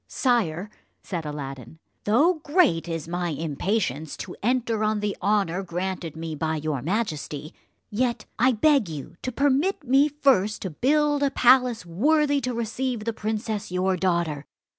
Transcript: "Sire," said Aladdin, "though great is my impatience to enter on the honour granted me by your majesty, yet I beg you to permit me first to build a palace worthy to receive the princess your daughter.